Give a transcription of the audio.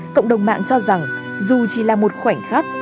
cộng đồng mạng cho rằng dù chỉ là một khoảnh khắc